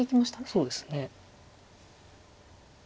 そうですね。